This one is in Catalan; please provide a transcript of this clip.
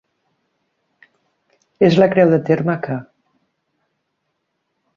És la creu de terme que.